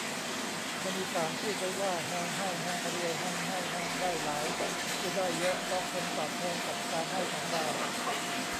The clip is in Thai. คนอีสานพูดไว้ว่า แฮงให้ แฮงรวย แฮงให้ แฮงได้หลาย คือ ได้เยอะเพราะคนตอบแทนกับการให้ของเรา